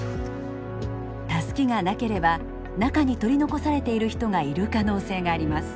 タスキがなければ中に取り残されている人がいる可能性があります。